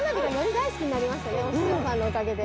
推し匠さんのおかげで。